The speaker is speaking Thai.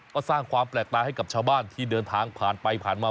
ก็สร้างความแปลกตาให้กับชาวบ้านที่เดินทางผ่านไปผ่านมา